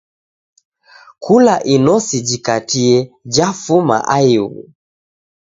Kula inosi jikatie, jafuma aighu.